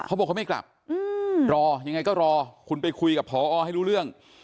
เขาบอกเขาไม่กลับรอยังไงก็รอคุณไปคุยกับพอให้รู้เรื่อง